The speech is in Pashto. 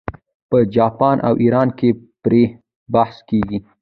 په جاپان او ایران کې پرې بحث کیږي.